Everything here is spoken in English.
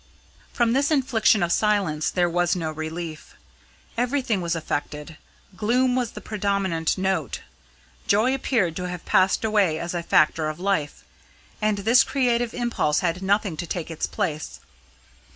From this infliction of silence there was no relief. Everything was affected; gloom was the predominant note. Joy appeared to have passed away as a factor of life, and this creative impulse had nothing to take its place.